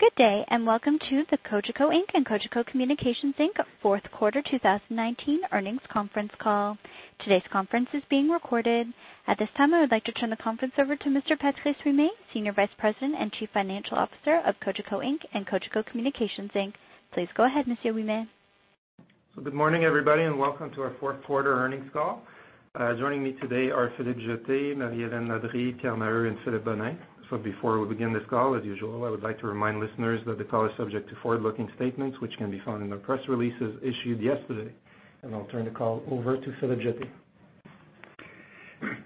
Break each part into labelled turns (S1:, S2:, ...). S1: Good day. Welcome to the Cogeco Inc. and Cogeco Communications Inc. fourth quarter 2019 earnings conference call. Today's conference is being recorded. At this time, I would like to turn the conference over to Mr. Patrice Ouimet, Senior Vice President and Chief Financial Officer of Cogeco Inc. and Cogeco Communications Inc. Please go ahead, Mr. Ouimet.
S2: Good morning, everybody, welcome to our fourth quarter earnings call. Joining me today are Philippe Jetté, Marie-Hélène Labrie, Pierre Maher, and Philippe Bonin. Before we begin this call, as usual, I would like to remind listeners that the call is subject to forward-looking statements, which can be found in our press releases issued yesterday. I'll turn the call over to Philippe Jetté.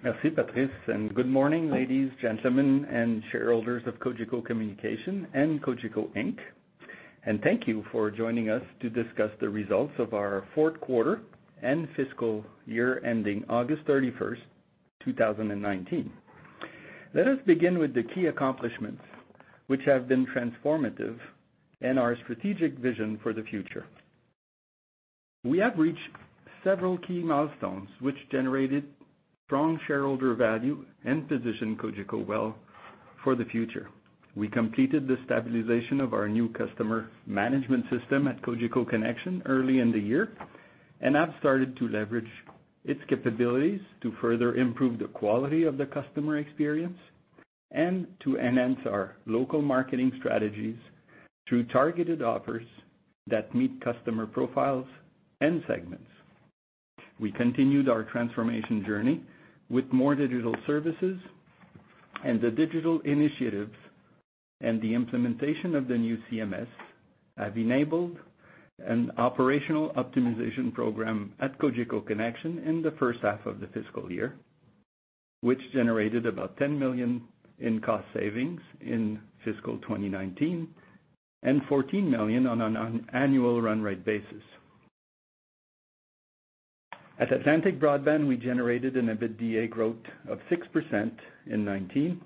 S3: Merci, Patrice. Good morning, ladies, gentlemen, and shareholders of Cogeco Communications and Cogeco Inc. Thank you for joining us to discuss the results of our fourth quarter and fiscal year ending August 31st, 2019. Let us begin with the key accomplishments which have been transformative and our strategic vision for the future. We have reached several key milestones which generated strong shareholder value and position Cogeco well for the future. We completed the stabilization of our new customer management system at Cogeco Connexion early in the year and have started to leverage its capabilities to further improve the quality of the customer experience and to enhance our local marketing strategies through targeted offers that meet customer profiles and segments. We continued our transformation journey with more digital services and the digital initiatives, and the implementation of the new CMS have enabled an operational optimization program at Cogeco Connexion in the first half of the fiscal year, which generated about 10 million in cost savings in fiscal 2019, and 14 million on an annual run rate basis. At Atlantic Broadband, we generated an EBITDA growth of 6% in 2019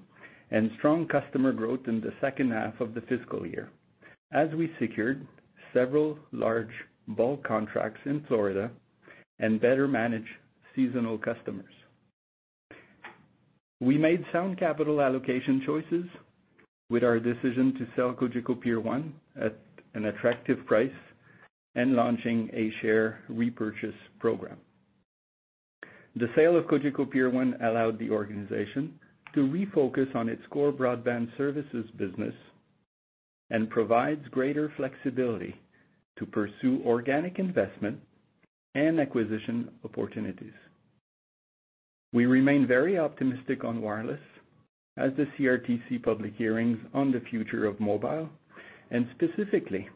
S3: and strong customer growth in the second half of the fiscal year, as we secured several large bulk contracts in Florida and better managed seasonal customers. We made sound capital allocation choices with our decision to sell Cogeco Peer 1 at an attractive price and launching a share repurchase program. The sale of Cogeco Peer 1 allowed the organization to refocus on its core broadband services business and provides greater flexibility to pursue organic investment and acquisition opportunities. We remain very optimistic on wireless as the CRTC public hearings on the future of mobile, and specifically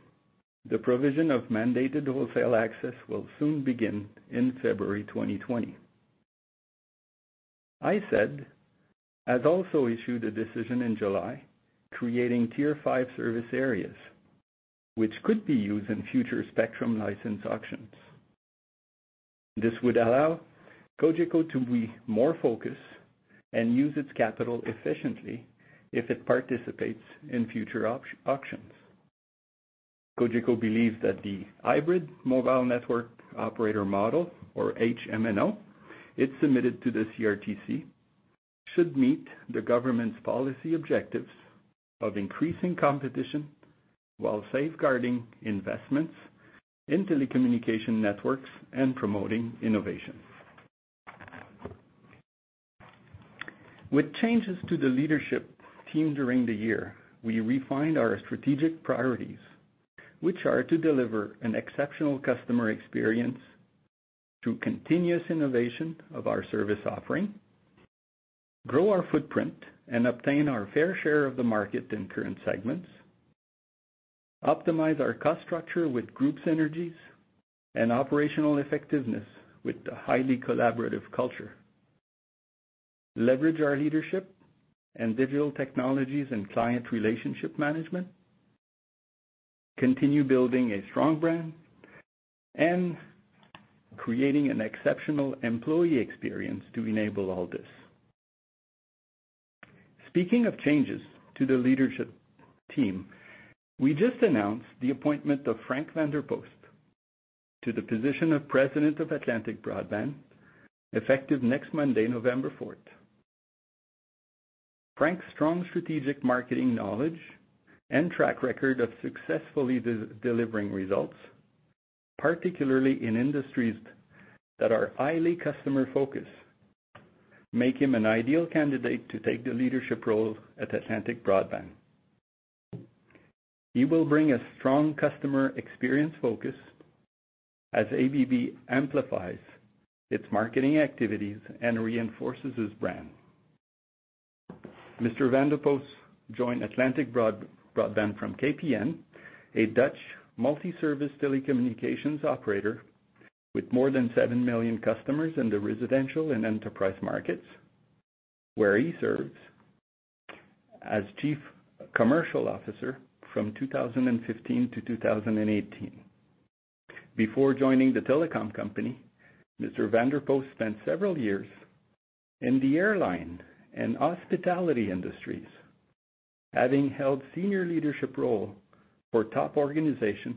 S3: the provision of mandated wholesale access will soon begin in February 2020. ISED has also issued a decision in July creating Tier 5 service areas, which could be used in future spectrum license auctions. This would allow Cogeco to be more focused and use its capital efficiently if it participates in future auctions. Cogeco believes that the hybrid mobile network operator model, or HMNO, it submitted to the CRTC should meet the government's policy objectives of increasing competition while safeguarding investments in telecommunication networks and promoting innovation. With changes to the leadership team during the year, we refined our strategic priorities, which are to deliver an exceptional customer experience through continuous innovation of our service offering, grow our footprint, and obtain our fair share of the market in current segments, optimize our cost structure with group synergies and operational effectiveness with the highly collaborative culture, leverage our leadership in digital technologies and client relationship management, continue building a strong brand, and creating an exceptional employee experience to enable all this. Speaking of changes to the leadership team, we just announced the appointment of Frank van der Post to the position of President of Atlantic Broadband effective next Monday, November 4th. Frank's strong strategic marketing knowledge and track record of successfully delivering results, particularly in industries that are highly customer-focused, make him an ideal candidate to take the leadership role at Atlantic Broadband. He will bring a strong customer experience focus as ABB amplifies its marketing activities and reinforces its brand. Mr. van der Post joined Atlantic Broadband from KPN, a Dutch multi-service telecommunications operator with more than 7 million customers in the residential and enterprise markets, where he served as Chief Commercial Officer from 2015 to 2018. Before joining the telecom company, Mr. van der Post spent several years in the airline and hospitality industries, having held senior leadership role for top organizations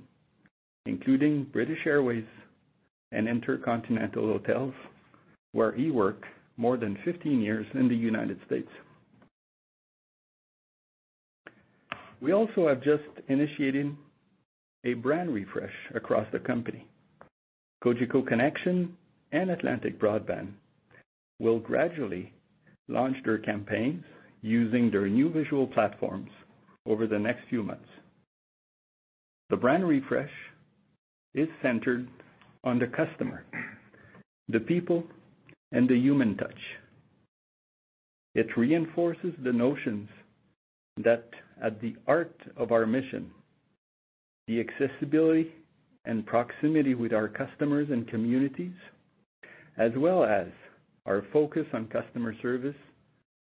S3: including British Airways and InterContinental Hotels, where he worked more than 15 years in the U.S. We also have just initiated a brand refresh across the company. Cogeco Connexion and Atlantic Broadband will gradually launch their campaigns using their new visual platforms over the next few months. The brand refresh is centered on the customer, the people, and the human touch. It reinforces the notions that at the heart of our mission, the accessibility and proximity with our customers and communities, as well as our focus on customer service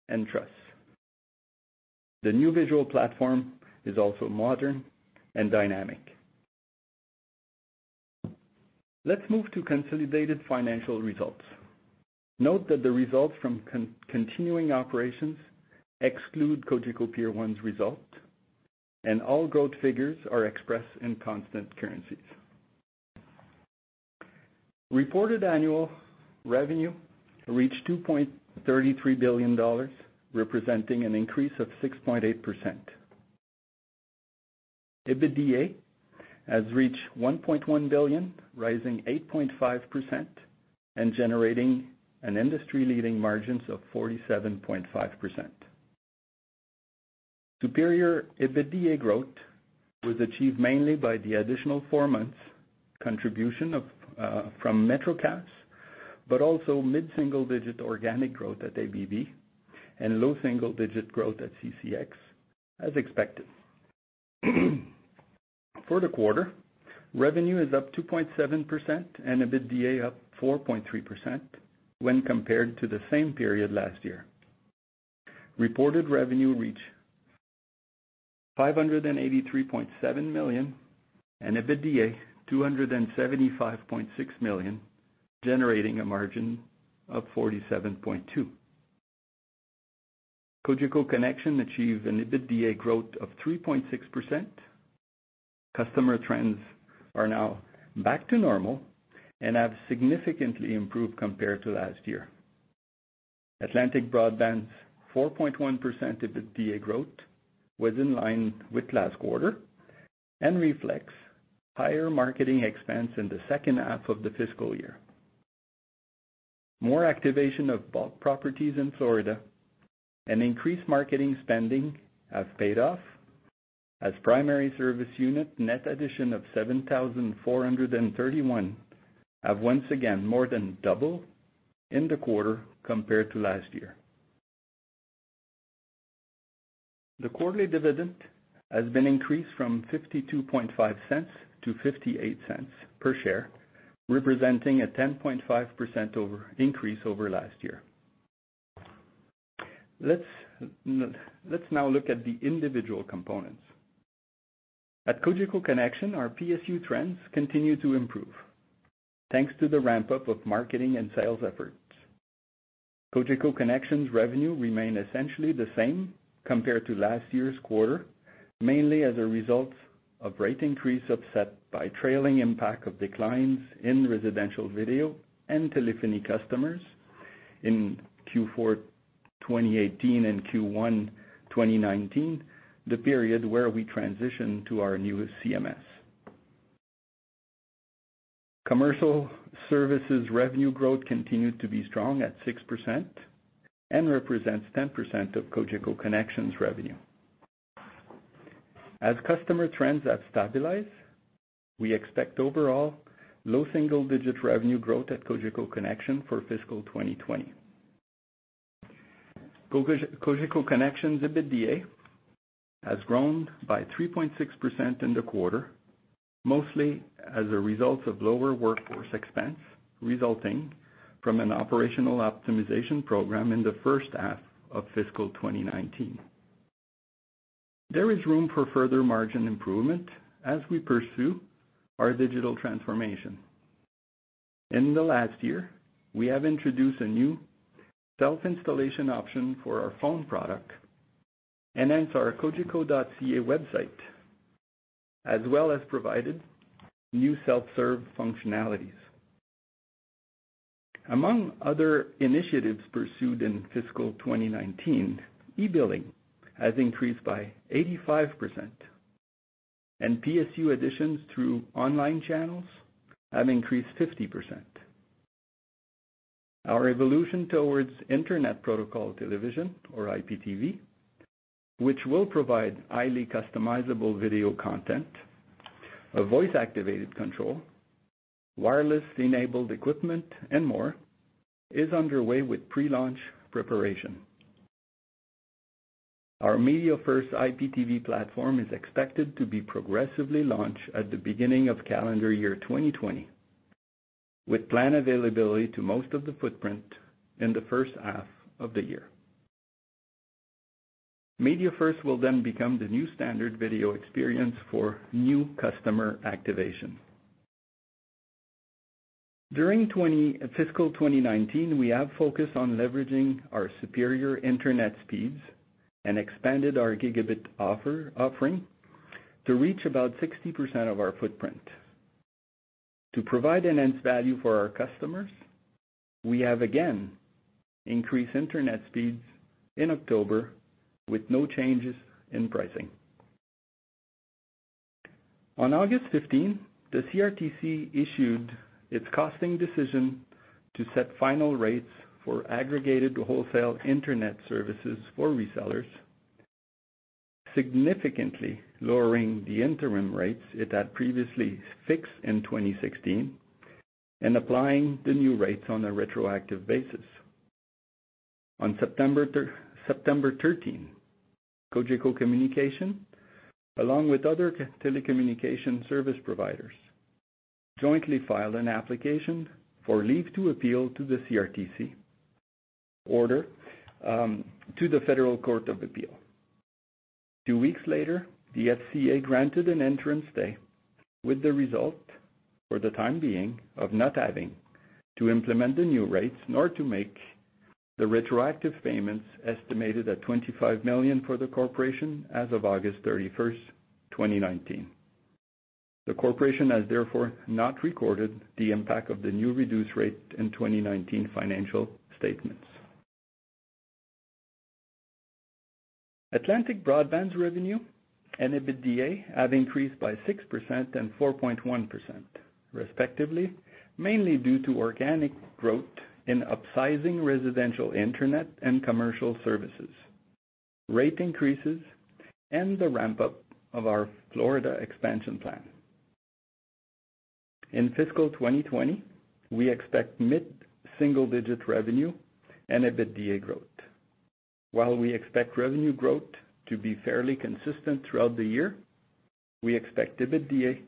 S3: and trust. The new visual platform is also modern and dynamic. Let's move to consolidated financial results. Note that the results from continuing operations exclude Cogeco Peer 1's result, and all growth figures are expressed in constant currencies. Reported annual revenue reached 2.33 billion dollars, representing an increase of 6.8%. EBITDA has reached 1.1 billion, rising 8.5% and generating an industry-leading margins of 47.5%. Superior EBITDA growth was achieved mainly by the additional four months contribution from MetroCast, but also mid-single digit organic growth at ABB and low single-digit growth at CCX as expected. For the quarter, revenue is up 2.7% and EBITDA up 4.3% when compared to the same period last year. Reported revenue reach 583.7 million and EBITDA 275.6 million, generating a margin of 47.2%. Cogeco Connexion achieved an EBITDA growth of 3.6%. Customer trends are now back to normal and have significantly improved compared to last year. Atlantic Broadband's 4.1% EBITDA growth was in line with last quarter and reflects higher marketing expense in the second half of the fiscal year. More activation of bulk properties in Florida and increased marketing spending have paid off as primary service unit net addition of 7,431 have once again more than double in the quarter compared to last year. The quarterly dividend has been increased from 0.525 to 0.58 per share, representing a 10.5% increase over last year. Let's now look at the individual components. At Cogeco Connexion, our PSU trends continue to improve thanks to the ramp-up of marketing and sales efforts. Cogeco Connexion's revenue remained essentially the same compared to last year's quarter, mainly as a result of rate increase offset by trailing impact of declines in residential video and telephony customers in Q4 2018 and Q1 2019, the period where we transitioned to our newest CMS. Commercial services revenue growth continued to be strong at 6% and represents 10% of Cogeco Connexion's revenue. As customer trends have stabilized, we expect overall low single-digit revenue growth at Cogeco Connexion for fiscal 2020. Cogeco Connexion's EBITDA has grown by 3.6% in the quarter, mostly as a result of lower workforce expense resulting from an operational optimization program in the first half of fiscal 2019. There is room for further margin improvement as we pursue our digital transformation. In the last year, we have introduced a new self-installation option for our phone product and enhanced our cogeco.ca website, as well as provided new self-serve functionalities. Among other initiatives pursued in fiscal 2019, e-billing has increased by 85%, and PSU additions through online channels have increased 50%. Our evolution towards Internet Protocol Television or IPTV, which will provide highly customizable video content, a voice-activated control, wireless-enabled equipment, and more, is underway with pre-launch preparation. Our MediaFirst IPTV platform is expected to be progressively launched at the beginning of calendar year 2020, with planned availability to most of the footprint in the first half of the year. MediaFirst will then become the new standard video experience for new customer activation. During fiscal 2019, we have focused on leveraging our superior internet speeds and expanded our gigabit offering to reach about 60% of our footprint. To provide enhanced value for our customers, we have again increased internet speeds in October with no changes in pricing. On August 15, the CRTC issued its costing decision to set final rates for aggregated wholesale internet services for resellers, significantly lowering the interim rates it had previously fixed in 2016 and applying the new rates on a retroactive basis. On September 13, Cogeco Communications, along with other telecommunication service providers, jointly filed an application for leave to appeal to the CRTC order to the Federal Court of Appeal. Two weeks later, the FCA granted an interim stay with the result, for the time being, of not having to implement the new rates nor to make the retroactive payments, estimated at 25 million for the corporation as of August 31st, 2019. The corporation has therefore not recorded the impact of the new reduced rate in 2019 financial statements. Atlantic Broadband's revenue and EBITDA have increased by 6% and 4.1%, respectively, mainly due to organic growth in upsizing residential internet and commercial services, rate increases, and the ramp-up of our Florida expansion plan. In fiscal 2020, we expect mid-single-digit revenue and EBITDA growth. While we expect revenue growth to be fairly consistent throughout the year, we expect EBITDA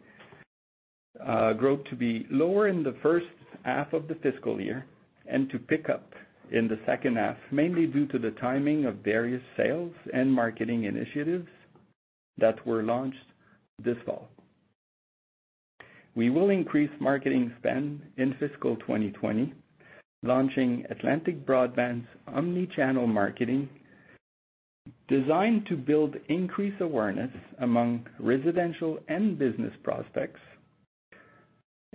S3: growth to be lower in the first half of the fiscal year and to pick up in the second half, mainly due to the timing of various sales and marketing initiatives that were launched this fall. We will increase marketing spend in fiscal 2020, launching Atlantic Broadband's omni-channel marketing, designed to build increased awareness among residential and business prospects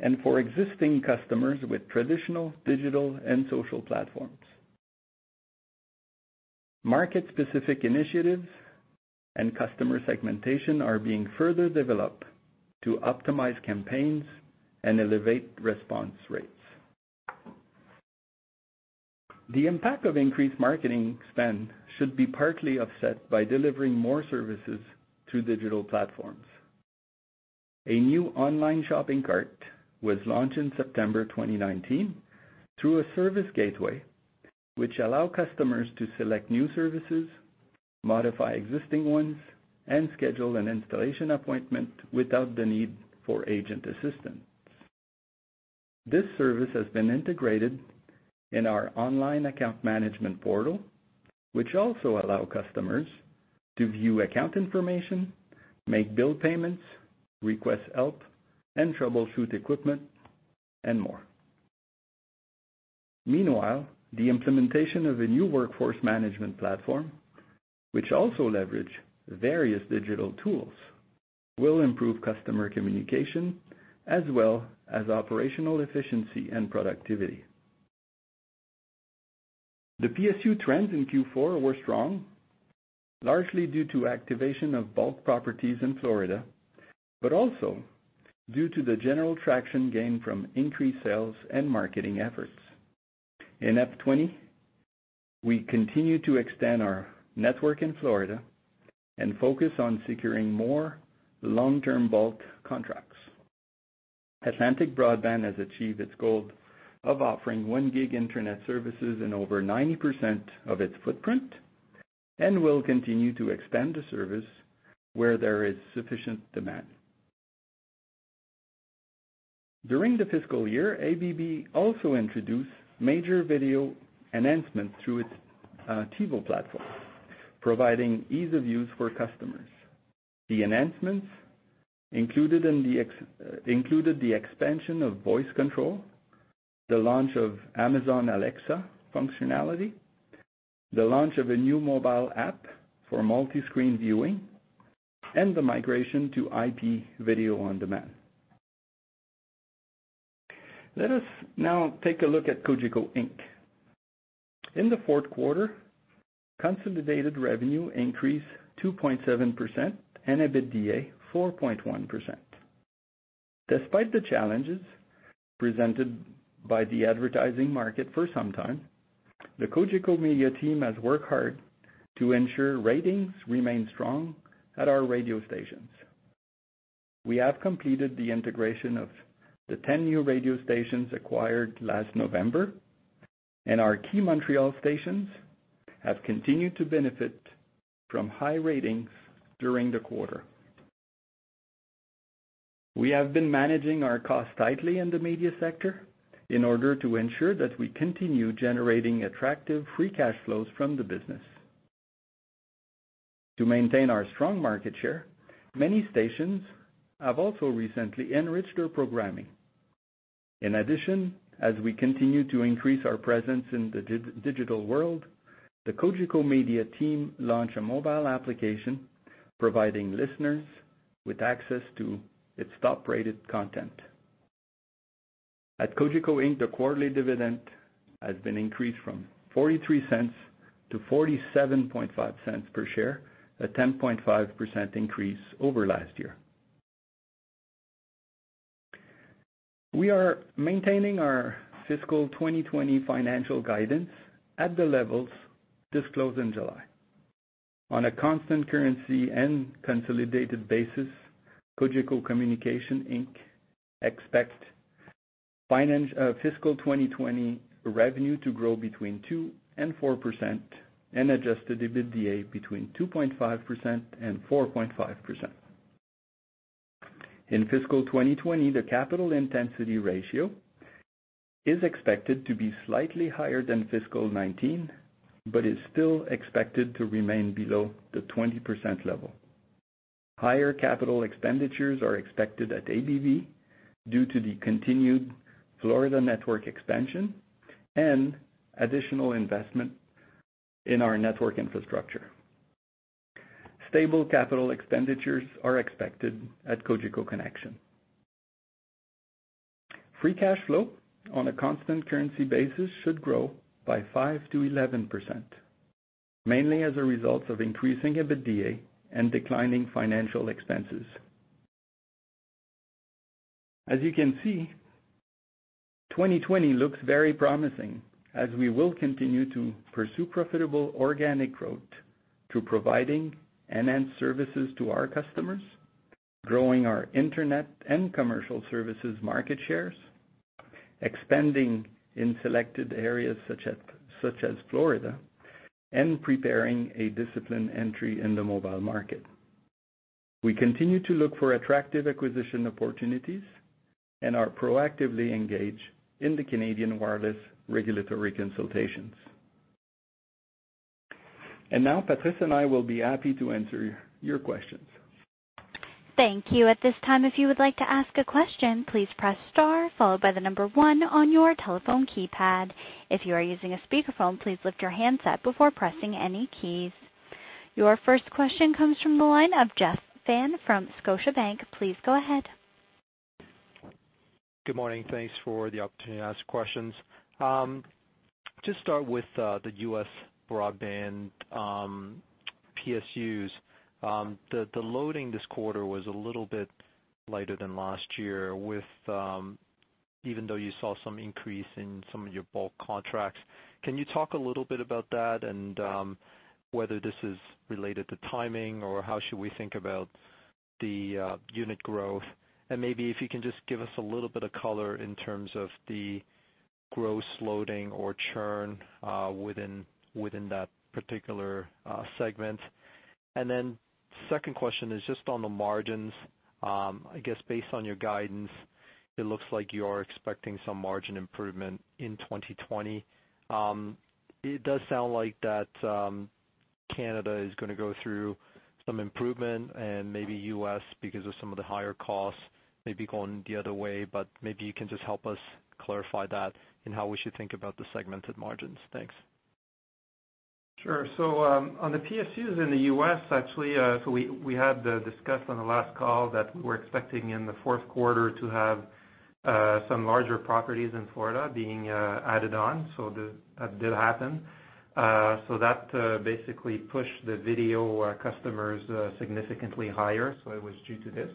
S3: and for existing customers with traditional, digital, and social platforms. Market-specific initiatives and customer segmentation are being further developed to optimize campaigns and elevate response rates. The impact of increased marketing spend should be partly offset by delivering more services through digital platforms. A new online shopping cart was launched in September 2019 through a service gateway, which allows customers to select new services, modify existing ones, and schedule an installation appointment without the need for agent assistance. This service has been integrated in our online account management portal, which also allows customers to view account information, make bill payments, request help, and troubleshoot equipment and more. Meanwhile, the implementation of a new workforce management platform, which also leverages various digital tools, will improve customer communication as well as operational efficiency and productivity. The PSU trends in Q4 were strong, largely due to activation of bulk properties in Florida, but also due to the general traction gained from increased sales and marketing efforts. In FY 2020, we continue to extend our network in Florida and focus on securing more long-term bulk contracts. Atlantic Broadband has achieved its goal of offering 1 gig internet services in over 90% of its footprint and will continue to expand the service where there is sufficient demand. During the fiscal year, ABB also introduced major video enhancements through its TiVo platform, providing ease of use for customers. The enhancements included the expansion of voice control, the launch of Amazon Alexa functionality, the launch of a new mobile app for multi-screen viewing, and the migration to IP video on demand. Let us now take a look at Cogeco Inc. In the fourth quarter, consolidated revenue increased 2.7% and EBITDA 4.1%. Despite the challenges presented by the advertising market for some time, the Cogeco Media team has worked hard to ensure ratings remain strong at our radio stations. We have completed the integration of the 10 new radio stations acquired last November, and our key Montreal stations have continued to benefit from high ratings during the quarter. We have been managing our costs tightly in the media sector in order to ensure that we continue generating attractive free cash flows from the business. To maintain our strong market share, many stations have also recently enriched their programming. In addition, as we continue to increase our presence in the digital world, the Cogeco Media team launched a mobile application providing listeners with access to its top-rated content. At Cogeco Inc, the quarterly dividend has been increased from 0.43 to 0.475 per share, a 10.5% increase over last year. We are maintaining our fiscal 2020 financial guidance at the levels disclosed in July. On a constant currency and consolidated basis, Cogeco Communications Inc. expects fiscal 2020 revenue to grow between 2% and 4% and adjusted EBITDA between 2.5% and 4.5%. In fiscal 2020, the capital intensity ratio is expected to be slightly higher than fiscal 2019, but is still expected to remain below the 20% level. Higher capital expenditures are expected at ABV due to the continued Florida network expansion and additional investment in our network infrastructure. Stable capital expenditures are expected at Cogeco Connexion. Free cash flow on a constant currency basis should grow by 5% to 11%, mainly as a result of increasing EBITDA and declining financial expenses. As you can see, 2020 looks very promising as we will continue to pursue profitable organic growth through providing enhanced services to our customers, growing our internet and commercial services market shares, expanding in selected areas such as Florida, and preparing a disciplined entry in the mobile market. We continue to look for attractive acquisition opportunities and are proactively engaged in the Canadian wireless regulatory consultations. Now Patrice and I will be happy to answer your questions.
S1: Thank you. At this time, if you would like to ask a question, please press star followed by the number one on your telephone keypad. If you are using a speakerphone, please lift your handset before pressing any keys. Your first question comes from the line of Jeff Fan from Scotiabank. Please go ahead.
S4: Good morning. Thanks for the opportunity to ask questions. Just start with the U.S. broadband PSUs. The loading this quarter was a little bit lighter than last year, even though you saw some increase in some of your bulk contracts. Can you talk a little bit about that and whether this is related to timing, or how should we think about the unit growth? Maybe if you can just give us a little bit of color in terms of the gross loading or churn within that particular segment. Then second question is just on the margins. I guess based on your guidance, it looks like you are expecting some margin improvement in 2020. It does sound like that Canada is going to go through some improvement and maybe U.S., because of some of the higher costs, maybe going the other way. Maybe you can just help us clarify that in how we should think about the segmented margins. Thanks.
S3: Sure. On the PSUs in the U.S., actually, we had discussed on the last call that we were expecting in the fourth quarter to have some larger properties in Florida being added on. That did happen. That basically pushed the video customers significantly higher. It was due to this.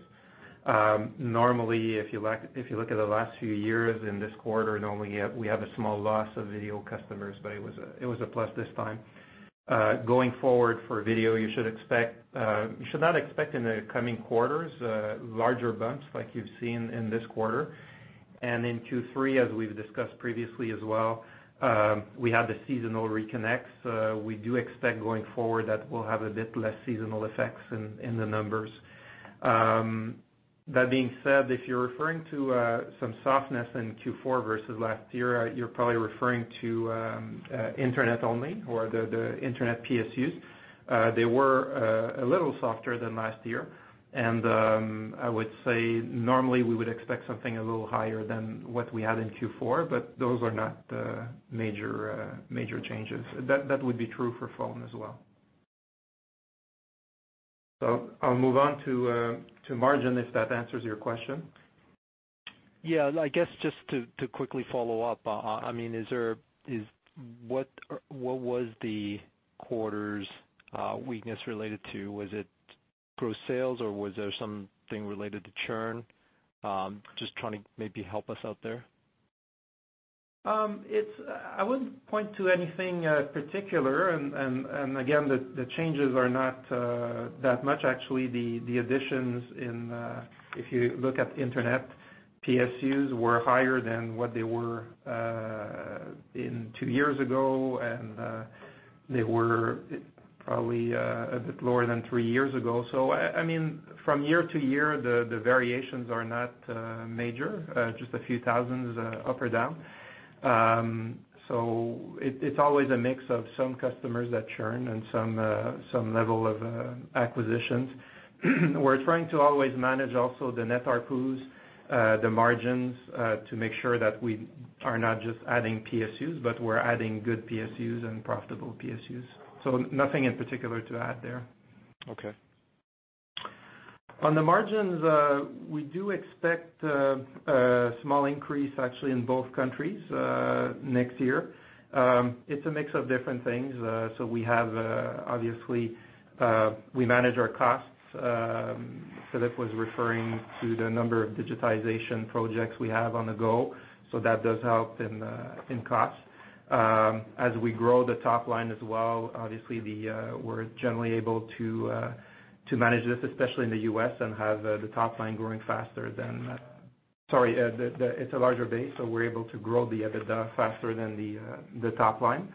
S3: Normally, if you look at the last few years in this quarter, normally we have a small loss of video customers, but it was a plus this time. Going forward, for video, you should not expect in the coming quarters larger bumps like you've seen in this quarter. In Q3, as we've discussed previously as well, we have the seasonal reconnects. We do expect going forward that we'll have a bit less seasonal effects in the numbers. That being said, if you're referring to some softness in Q4 versus last year, you're probably referring to internet only or the internet PSUs. They were a little softer than last year. I would say normally we would expect something a little higher than what we had in Q4. Those are not major changes. That would be true for phone as well. I'll move on to margin if that answers your question.
S4: Yeah. I guess just to quickly follow up. What was the quarter's weakness related to? Was it gross sales or was there something related to churn? Just trying to maybe help us out there.
S3: I wouldn't point to anything particular. Again, the changes are not that much. Actually, the additions in, if you look at internet PSUs, were higher than what they were two years ago, and they were probably a bit lower than three years ago. From year to year, the variations are not major, just a few thousand up or down.
S2: It's always a mix of some customers that churn and some level of acquisitions. We're trying to always manage also the net ARPU, the margins, to make sure that we are not just adding PSUs, but we're adding good PSUs and profitable PSUs. Nothing in particular to add there.
S4: Okay.
S2: On the margins, we do expect a small increase actually in both countries next year. It's a mix of different things. Obviously, we manage our costs. Philippe was referring to the number of digitization projects we have on the go, so that does help in costs. As we grow the top line as well, obviously we're generally able to manage this, especially in the U.S., and have the top line growing faster than Sorry. It's a larger base, so we're able to grow the EBITDA faster than the top line.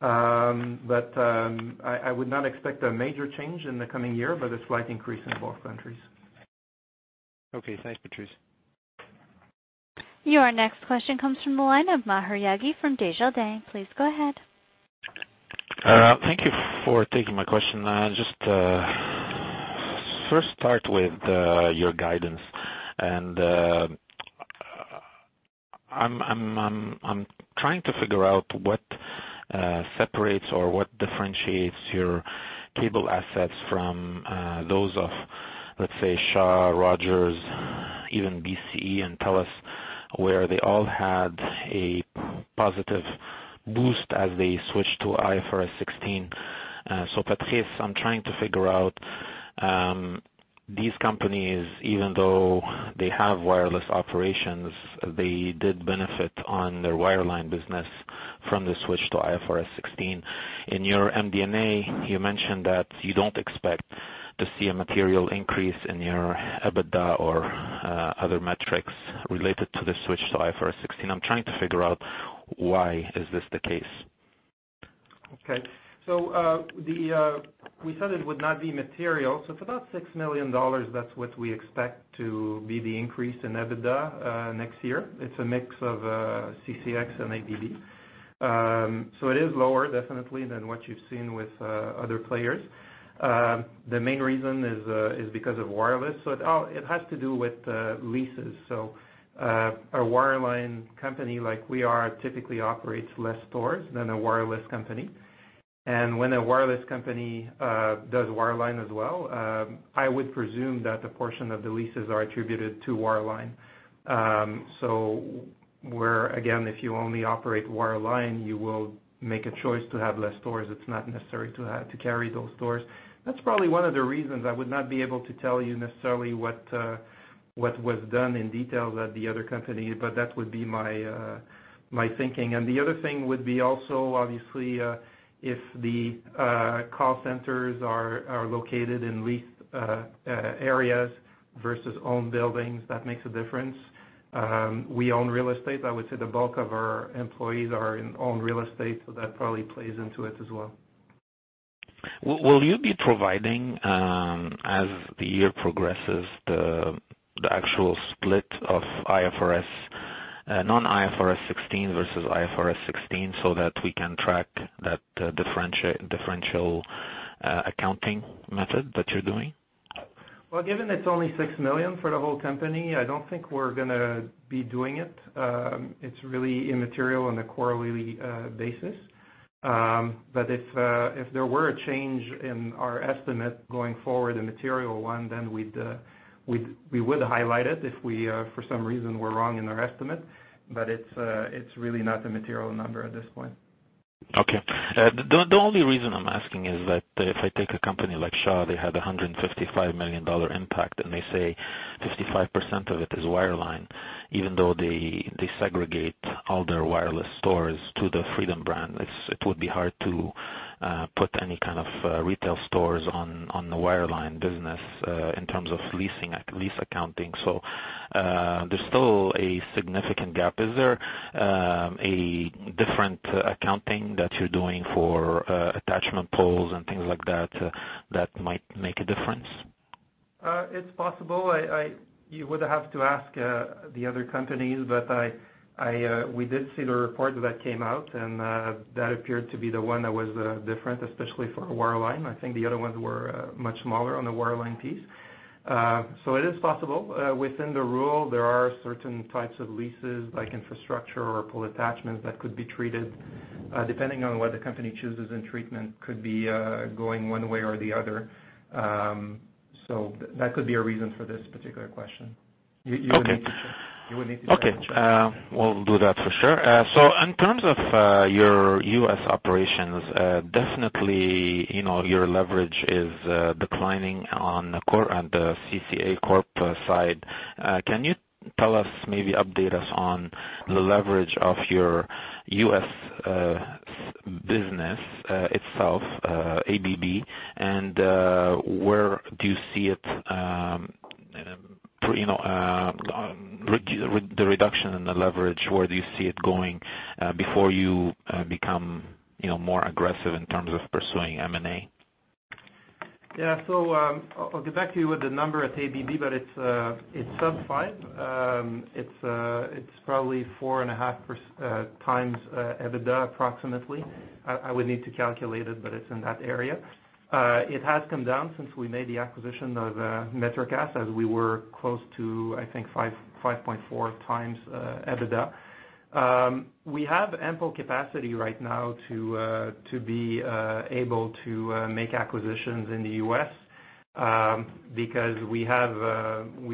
S2: I would not expect a major change in the coming year, but a slight increase in both countries.
S4: Okay. Thanks, Patrice.
S1: Your next question comes from the line of Maher Yaghi from Desjardins. Please go ahead.
S5: Thank you for taking my question. Just first start with your guidance, and I'm trying to figure out what separates or what differentiates your cable assets from those of, let's say, Shaw, Rogers, even BCE, and Telus, where they all had a positive boost as they switched to IFRS 16. Patrice, I'm trying to figure out, these companies, even though they have wireless operations, they did benefit on their wireline business from the switch to IFRS 16. In your MD&A, you mentioned that you don't expect to see a material increase in your EBITDA or other metrics related to the switch to IFRS 16. I'm trying to figure out why is this the case.
S2: Okay. We said it would not be material. For about 6 million dollars, that's what we expect to be the increase in EBITDA next year. It's a mix of CCX and ABB. It is lower definitely than what you've seen with other players. The main reason is because of wireless. It has to do with leases. A wireline company, like we are, typically operates less stores than a wireless company. And when a wireless company does wireline as well, I would presume that a portion of the leases are attributed to wireline. Where, again, if you only operate wireline, you will make a choice to have less stores. It's not necessary to carry those stores. That's probably one of the reasons. I would not be able to tell you necessarily what was done in detail at the other company, but that would be my thinking. The other thing would be also, obviously, if the call centers are located in leased areas versus owned buildings, that makes a difference. We own real estate. I would say the bulk of our employees are in owned real estate, so that probably plays into it as well.
S5: Will you be providing, as the year progresses, the actual split of non-IFRS 16 versus IFRS 16 so that we can track that differential accounting method that you're doing?
S2: Well, given it's only 6 million for the whole company, I don't think we're going to be doing it. It's really immaterial on a quarterly basis. If there were a change in our estimate going forward, a material one, then we would highlight it if we, for some reason, were wrong in our estimate. It's really not a material number at this point.
S5: Okay. The only reason I'm asking is that if I take a company like Shaw, they had a 155 million dollar impact, and they say 55% of it is wireline, even though they segregate all their wireless stores to the Freedom brand. It would be hard to put any kind of retail stores on the wireline business in terms of lease accounting. There's still a significant gap. Is there a different accounting that you're doing for attachment poles and things like that might make a difference?
S2: It's possible. You would have to ask the other companies, but we did see the report that came out, and that appeared to be the one that was different, especially for wireline. I think the other ones were much smaller on the wireline piece. It is possible. Within the rule, there are certain types of leases, like infrastructure or pole attachments, that could be treated. Depending on what the company chooses in treatment, could be going one way or the other. That could be a reason for this particular question. You would need to check.
S5: Okay. We'll do that for sure. In terms of your U.S. operations, definitely your leverage is declining on the CCA Corp side. Can you tell us, maybe update us on the leverage of your U.S. business itself, ABB, and where do you see it, the reduction in the leverage, where do you see it going before you become more aggressive in terms of pursuing M&A?
S2: Yeah. I'll get back to you with the number at ABB, but it's sub five. It's probably 4.5x EBITDA, approximately. I would need to calculate it, but it's in that area. It has come down since we made the acquisition of MetroCast as we were close to, I think, 5.4x EBITDA. We have ample capacity right now to be able to make acquisitions in the U.S. because we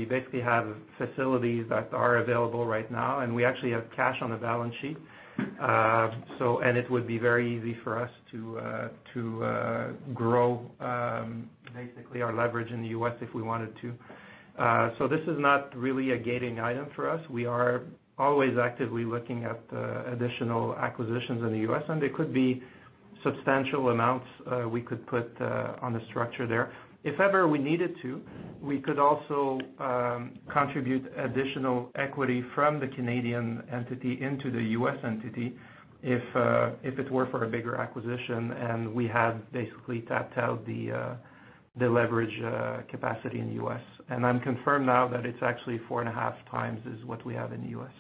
S2: basically have facilities that are available right now, and we actually have cash on the balance sheet. It would be very easy for us to grow basically our leverage in the U.S. if we wanted to. This is not really a gating item for us. We are always actively looking at additional acquisitions in the U.S., and they could be substantial amounts we could put on the structure there. If ever we needed to, we could also contribute additional equity from the Canadian entity into the U.S. entity if it were for a bigger acquisition, we have basically tapped out the leverage capacity in the U.S. I'm confirmed now that it's actually four and a half times is what we have in the U.S.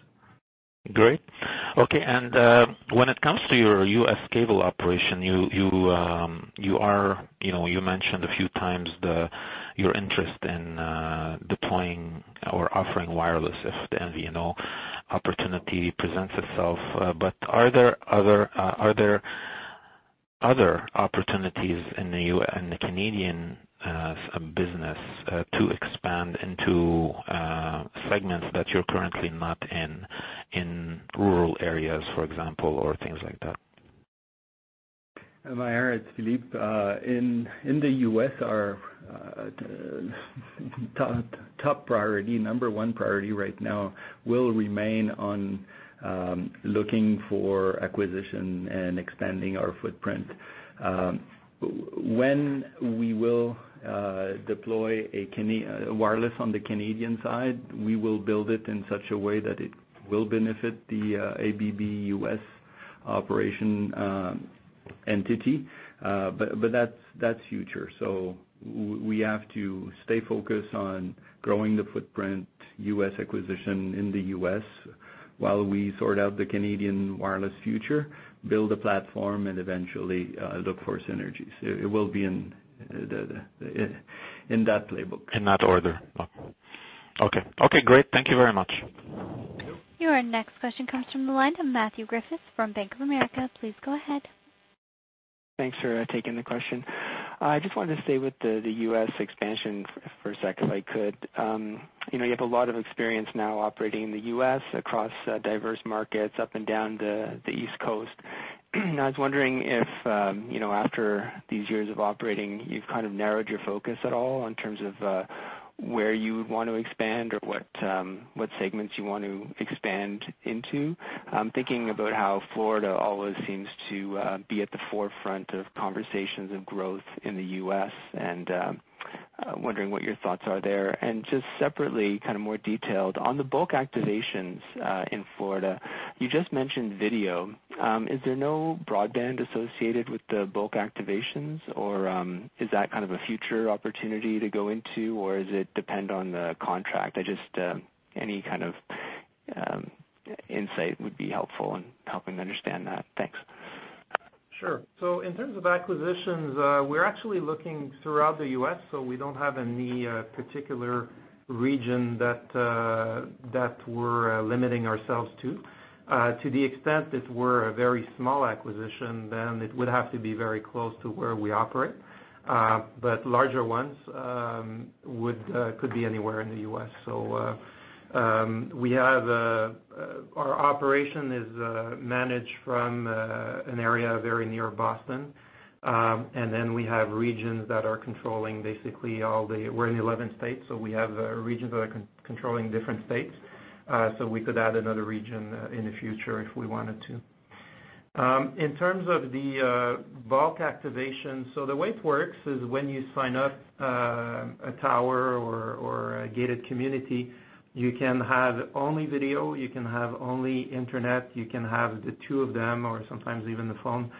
S5: Great. Okay. When it comes to your U.S. cable operation, you mentioned a few times your interest in deploying or offering wireless if the MNO opportunity presents itself. Are there other opportunities in the Canadian business to expand into segments that you're currently not in rural areas, for example, or things like that?
S3: Maher, it's Philippe. In the U.S., our top priority, number 1 priority right now will remain on looking for acquisition and expanding our footprint. When we will deploy wireless on the Canadian side, we will build it in such a way that it will benefit the ABB U.S. operation entity. That's future. We have to stay focused on growing the footprint, U.S. acquisition in the U.S., while we sort out the Canadian wireless future, build a platform, and eventually, look for synergies. It will be in that playbook.
S5: In that order. Okay. Okay, great. Thank you very much.
S1: Your next question comes from the line of Matthew Griffiths from Bank of America. Please go ahead.
S6: Thanks for taking the question. I just wanted to stay with the U.S. expansion for a sec, if I could. You have a lot of experience now operating in the U.S. across diverse markets up and down the East Coast. I was wondering if after these years of operating, you've kind of narrowed your focus at all in terms of where you would want to expand or what segments you want to expand into. I'm thinking about how Florida always seems to be at the forefront of conversations of growth in the U.S., and wondering what your thoughts are there. Just separately, more detailed, on the bulk activations in Florida, you just mentioned video. Is there no broadband associated with the bulk activations, or is that a future opportunity to go into, or does it depend on the contract? Just any kind of insight would be helpful in helping understand that. Thanks.
S2: Sure. In terms of acquisitions, we're actually looking throughout the U.S., we don't have any particular region that we're limiting ourselves to. To the extent it were a very small acquisition, it would have to be very close to where we operate. Larger ones could be anywhere in the U.S. Our operation is managed from an area very near Boston. We have regions that are controlling. We're in 11 states, we have regions that are controlling different states. We could add another region in the future if we wanted to. In terms of the bulk activation, the way it works is when you sign up a tower or a gated community, you can have only video, you can have only internet, you can have the two of them, or sometimes even the phone.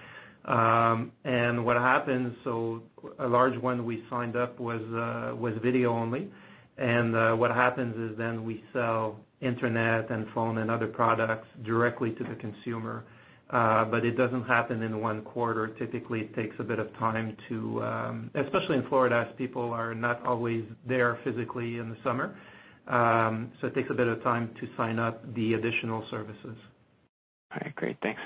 S2: What happens, a large one we signed up was video only. What happens is then we sell internet and phone and other products directly to the consumer. It doesn't happen in one quarter. Typically, it takes a bit of time, especially in Florida, as people are not always there physically in the summer. It takes a bit of time to sign up the additional services.
S6: All right. Great. Thanks.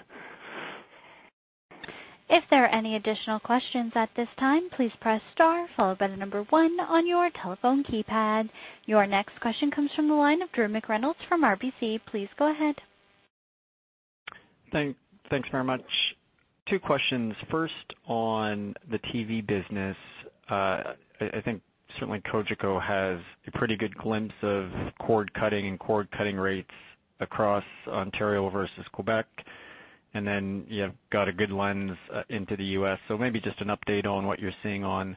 S1: If there are any additional questions at this time, please press star followed by the number one on your telephone keypad. Your next question comes from the line of Drew McReynolds from RBC. Please go ahead.
S7: Thanks very much. Two questions. First, on the TV business. I think certainly Cogeco has a pretty good glimpse of cord-cutting and cord-cutting rates across Ontario versus Quebec, and then you've got a good lens into the U.S. Maybe just an update on what you're seeing on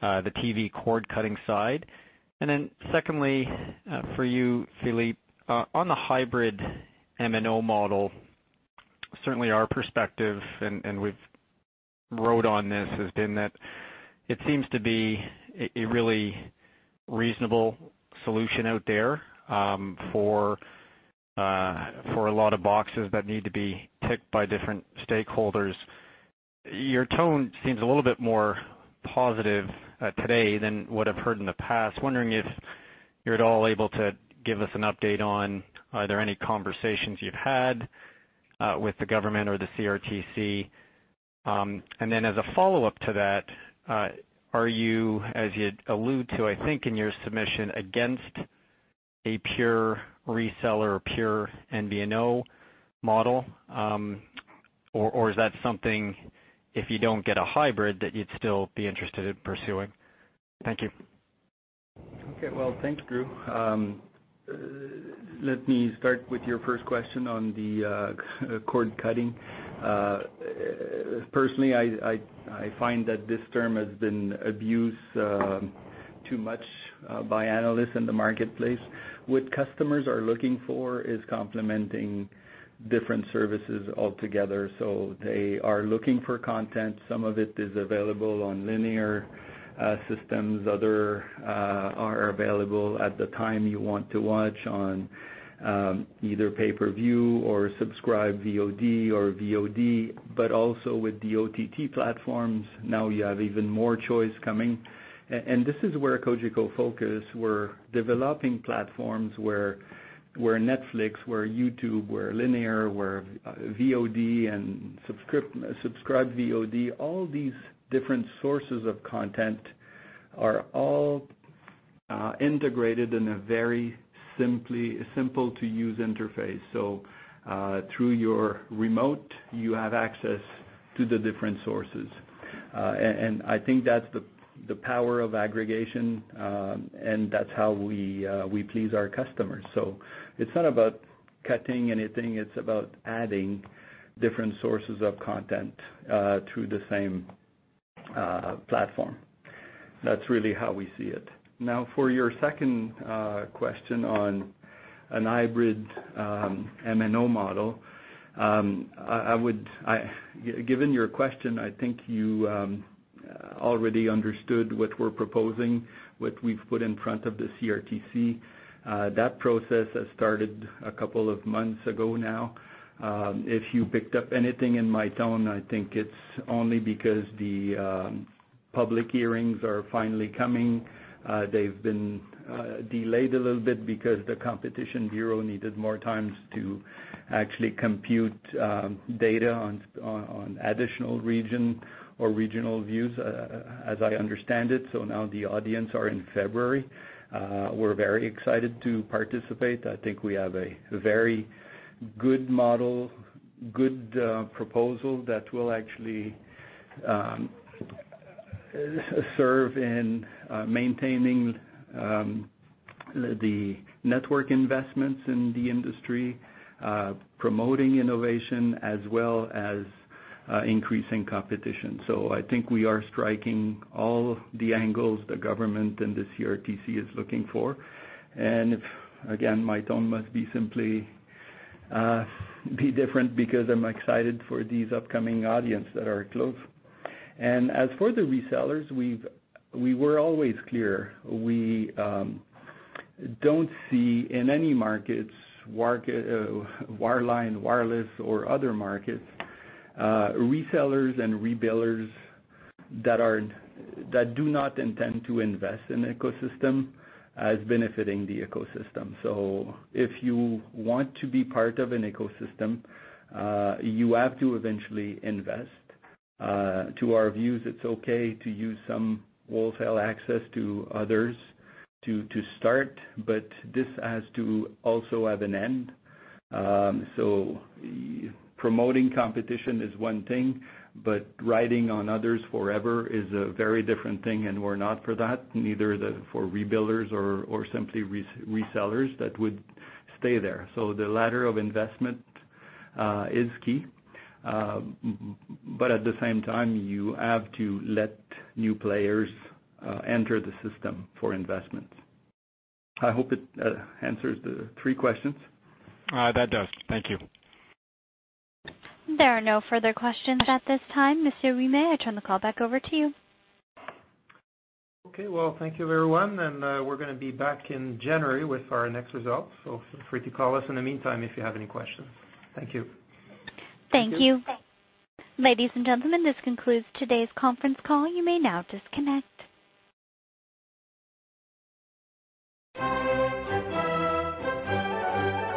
S7: the TV cord-cutting side. Secondly, for you, Philippe, on the hybrid MNO model. Certainly our perspective, and we've wrote on this, has been that it seems to be a really reasonable solution out there for a lot of boxes that need to be ticked by different stakeholders. Your tone seems a little bit more positive today than what I've heard in the past. I am wondering if you're at all able to give us an update on, are there any conversations you've had with the government or the CRTC? As a follow-up to that, are you, as you allude to, I think, in your submission, against a pure reseller or pure MVNO model? Is that something, if you don't get a hybrid, that you'd still be interested in pursuing? Thank you.
S3: Okay. Well, thanks, Drew. Let me start with your first question on the cord-cutting. Personally, I find that this term has been abused too much by analysts in the marketplace. What customers are looking for is complementing different services altogether. They are looking for content. Some of it is available on linear systems. Other are available at the time you want to watch on either pay-per-view or subscribe VOD or VOD, but also with the OTT platforms. You have even more choice coming. This is where Cogeco focus, we're developing platforms where Netflix, where YouTube, where linear, where VOD, and subscribed VOD, all these different sources of content are all integrated in a very simple-to-use interface. Through your remote, you have access to the different sources. I think that's the power of aggregation, and that's how we please our customers. It's not about cutting anything, it's about adding different sources of content through the same platform. That's really how we see it. For your second question on a hybrid MNO model. Given your question, I think you already understood what we're proposing, what we've put in front of the CRTC. That process has started a couple of months ago now. If you picked up anything in my tone, I think it's only because the public hearings are finally coming. They've been delayed a little bit because the Competition Bureau needed more time to actually compute data on additional region or regional views, as I understand it. The hearings are in February. We're very excited to participate. I think we have a very good model, good proposal that will actually serve in maintaining the network investments in the industry, promoting innovation as well as increasing competition. I think we are striking all the angles the government and the CRTC is looking for. Again, my tone must simply be different because I'm excited for these upcoming audience that are close. As for the resellers, we were always clear. We don't see, in any markets, wireline, wireless or other markets, resellers and re-billers that do not intend to invest in ecosystem as benefiting the ecosystem. If you want to be part of an ecosystem, you have to eventually invest. To our views, it's okay to use some wholesale access to others to start, but this has to also have an end. Promoting competition is one thing, but riding on others forever is a very different thing, and we're not for that, neither for re-billers or simply resellers that would stay there. The ladder of investment is key. At the same time, you have to let new players enter the system for investments. I hope it answers the three questions.
S7: That does. Thank you.
S1: There are no further questions at this time. Monsieur Ouimet, I turn the call back over to you.
S2: Okay, well, thank you, everyone. We're gonna be back in January with our next results, so feel free to call us in the meantime if you have any questions. Thank you.
S1: Thank you. Ladies and gentlemen, this concludes today's conference call. You may now disconnect.